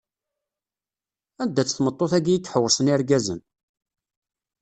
Anda-tt tmeṭṭut-agi i iḥewwṣen irgazen?